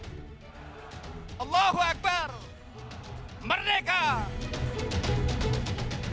apakah saudara saudara siap untuk menang bersama rakyat